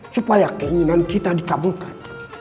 supaya keinginan kita dikabulkan